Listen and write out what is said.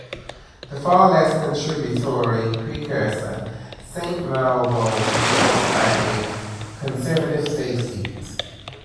The far less contributory precursor, Saint Marylebone, was a Conservative safe seat.